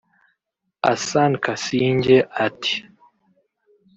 Asan Kasingye ati